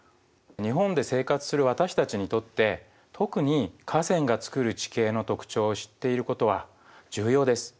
日本で生活する私たちにとって特に河川がつくる地形の特徴を知っていることは重要です。